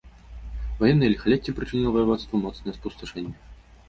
Ваеннае ліхалецце прычыніла ваяводству моцнае спусташэнне.